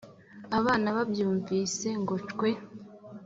Abana babyumvise ngo cwe